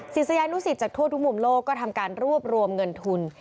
ศิษยานุสิตจากทั่วทุกมุมโลกก็ทำการรวบรวมเงินทุน